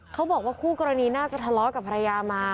เขาบอกว่าคู่กรณีน่าจะทะเลาะกับภรรยามา